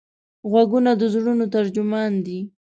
غوږونه د زړونو ترجمان دي